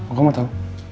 aku mau tau